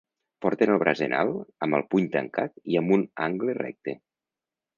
Porten el braç en alt amb el puny tancat i amb un angle recte.